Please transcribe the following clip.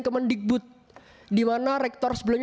kemendikbud dimana rektor sebelumnya